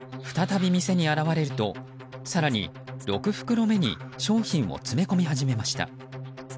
そのおよそ１２分後再び店に現れると、更に６袋目に商品を詰め込み始めました。